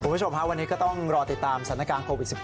คุณผู้ชมฮะวันนี้ก็ต้องรอติดตามสถานการณ์โควิด๑๙